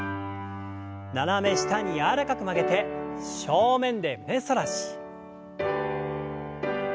斜め下に柔らかく曲げて正面で胸反らし。